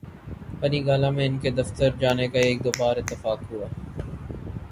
بنی گالہ میں ان کے دفتر جانے کا ایک دو بار اتفاق ہوا۔